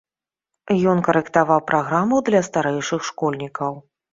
Ён карэктаваў праграму для старэйшых школьнікаў.